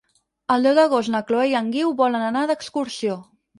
El deu d'agost na Chloé i en Guiu volen anar d'excursió.